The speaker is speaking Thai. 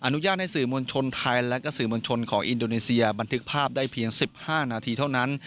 อุญาตให้สื่อมวลชนไทยและก็สื่อมวลชนของอินโดนีเซียบันทึกภาพได้เพียง๑๕นาทีเท่านั้น